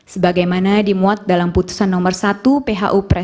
sebagaimana dimuat dalam putusan nomor satu